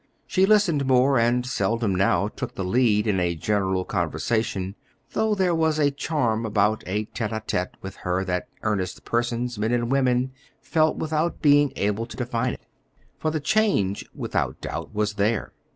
She listened more, and seldom now took the lead in a general conversation, though there was a charm about a tete a tete with her that earnest persons, men and women, felt without being able to define it. For the change, without doubt, was there.